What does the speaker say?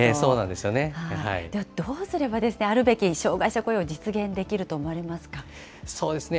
ではどうすれば、あるべき障害者雇用、実現できると思われまそうですね。